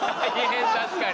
確かに。